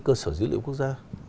cơ sở dữ liệu quốc gia